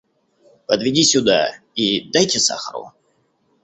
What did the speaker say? Подведи сюда, и дайте сахару.